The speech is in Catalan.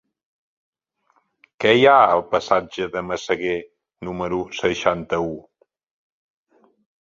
Què hi ha al passatge de Massaguer número seixanta-u?